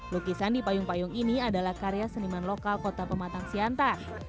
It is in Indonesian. lukisan di payung payung ini adalah karya seniman lokal kota pematang siantar